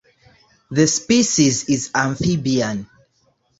The species is amphibian.